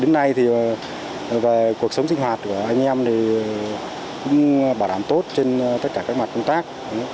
đến nay cuộc sống sinh hoạt của anh em bảo đảm tốt trên tất cả các mặt công tác